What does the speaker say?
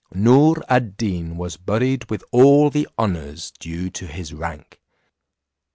Noor ad Deen was buried with all the honours due to his rank.